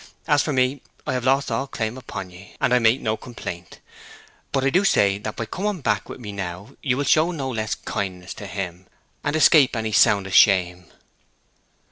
As for me, I have lost all claim upon you, and I make no complaint. But I do say that by coming back with me now you will show no less kindness to him, and escape any sound of shame.